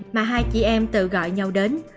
mà hai chị em tự gọi nhau đến